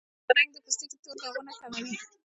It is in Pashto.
بادرنګ د پوستکي تور داغونه کموي.